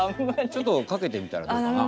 ちょっとかけてみたらどうかな。